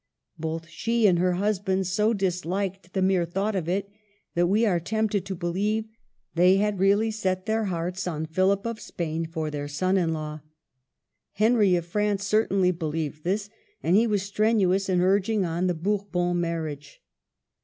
Both she and her husband so disliked the mere thought of it, that we are tempted to believe they had really set their hearts on Philip of Spain for their son in law. Henry of France certainly believed this, and he was strenuous in urging on the Bourbon marriage.